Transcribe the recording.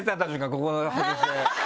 ここ外して。